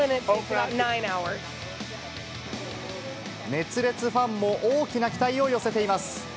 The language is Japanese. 熱烈ファンも大きな期待を寄せています。